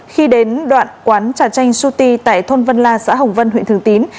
khi đến đoạn quán trà chanh suti tại thôn vân la xã hồng vân huyện thường tín